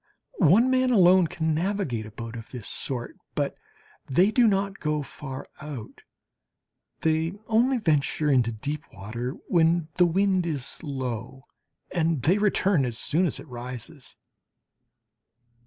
One man alone can navigate a boat of this sort, but they do not go far out. They only venture into deep water when the wind is low and they return as soon as it rises.